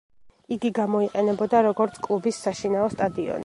იგი გამოიყენებოდა როგორც კლუბის საშინაო სტადიონი.